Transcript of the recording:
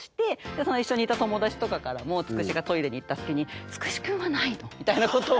その一緒にいた友達とかからもつくしがトイレに行った隙に「つくし君はないの⁉」みたいなことを。